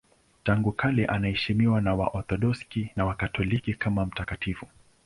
Tangu kale anaheshimiwa na Waorthodoksi na Wakatoliki kama mtakatifu.